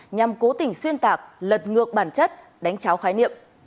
nhằm cố tình xuyên tạc lật ngược bản chất đánh cháo khái niệm